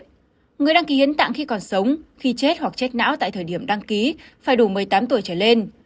người đăng ký hiến tạng khi còn sống khi chết hoặc chết não tại thời điểm đăng ký phải đủ một mươi tám tuổi trở lên